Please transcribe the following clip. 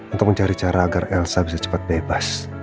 untuk mencari cara agar elsa bisa cepat bebas